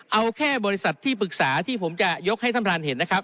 เอาแค่บริษัทที่ปรึกษาที่ผมจะยกให้ท่านประธานเห็นนะครับ